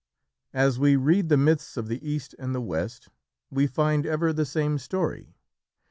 As we read the myths of the East and the West we find ever the same story.